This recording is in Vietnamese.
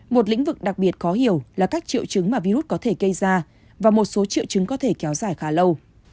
một lĩnh vực đặc biệt khó hiểu là các triệu chứng mà virus có thể gây ra và một số triệu chứng có thể kéo dài khá lâu